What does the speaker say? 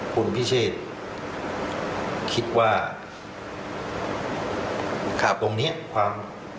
คุณพิเชษคิดว่าข่าวตรงนี้ความ